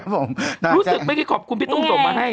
รู้สึกไม่คิดขอบคุณพี่ตุ้งส่งมาให้